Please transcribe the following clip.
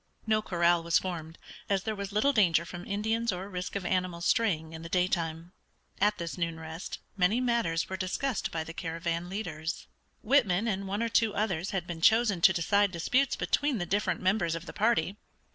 No corral was formed, as there was little danger from Indians or risk of animals straying in the daytime. At this noon rest many matters were discussed by the caravan leaders. Whitman and one or two others had been chosen to decide disputes between the different members of the party.